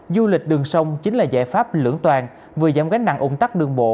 du lịch đường sông chính là giải pháp lưỡng toàn vừa giảm gánh nặng ủng tắc đường bộ